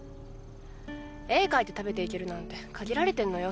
絵描いて食べていけるなんて限られてんのよ。